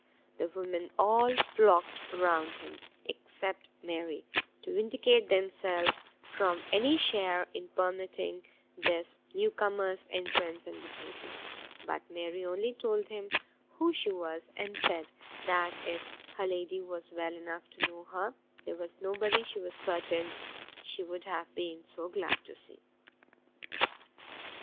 The women all flocked around him, except Mary, to vindicate themselves from any share in permitting this new comer's entrance and behaviour; but Mary only told him who she was, and said, that if her lady was well enough to know her, there was nobody she was certain she would have been so glad to see.